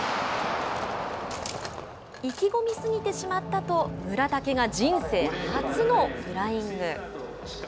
意気込みすぎてしまったと村竹が人生初のフライング。